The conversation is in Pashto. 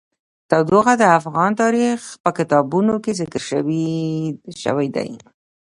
تودوخه د افغان تاریخ په کتابونو کې ذکر شوی دي.